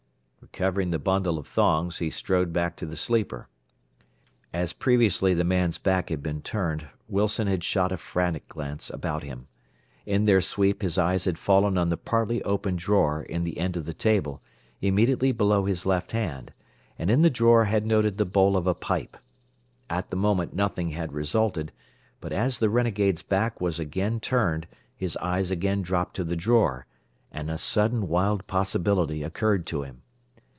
Recovering the bundle of thongs, he strode back to the sleeper. As previously the man's back had been turned Wilson had shot a frantic glance about him. In their sweep his eyes had fallen on the partly open drawer in the end of the table, immediately below his left hand, and in the drawer had noted the bowl of a pipe. At the moment nothing had resulted, but as the renegade's back was again turned his eyes again dropped to the drawer, and a sudden wild possibility occurred to him.